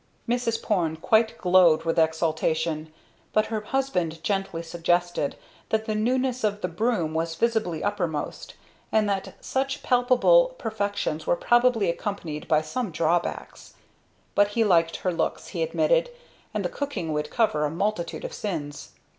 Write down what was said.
Mrs. Porne quite glowed with exultation, but her husband gently suggested that the newness of the broom was visibly uppermost, and that such palpable perfections were probably accompanied by some drawbacks. But he liked her looks, he admitted, and the cooking would cover a multitude of sins.